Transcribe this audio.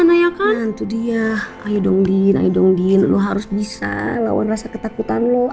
nak kalau ini berat buat kamu